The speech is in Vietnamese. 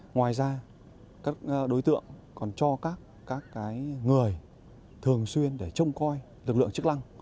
ngoài ra các đối tượng còn cho các người thường xuyên để trông coi lực lượng chức năng